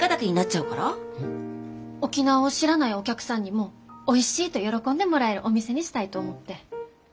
沖縄を知らないお客さんにもおいしいと喜んでもらえるお店にしたいと思って。